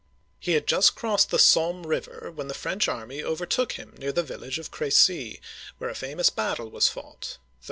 He had just crossed the Somme(s6m) River, when the French army overtook him near the village of Cr^cy (era see'), where a famous battle was fought (1346).